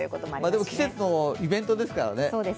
でも季節のイベントですからね。